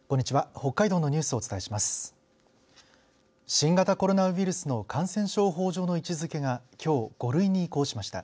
新型コロナウイルスの感染症法上の位置づけがきょう、５類に移行しました。